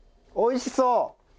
おいしそう！